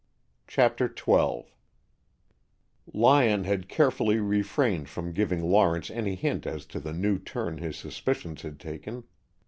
CHAPTER XII Lyon had carefully refrained from giving Lawrence any hint as to the new turn his suspicions had taken.